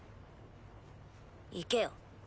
行けよ。